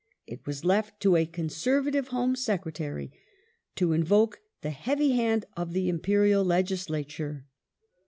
It was left to a Conservative Home Secretary to invoke the heavy hand of the Imperial Legislature.